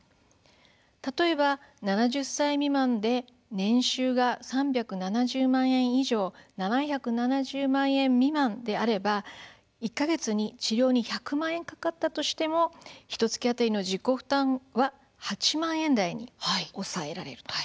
例えば７０歳未満で年収３７０万以上７７０万円未満であれば１か月に治療に１００万円かかったとしてもひとつき当たりの自己負担は８万円台に抑えられると。